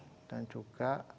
dan sekarang juga bisa online kan